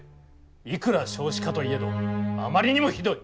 いくら少子化といえどあまりにもひどい！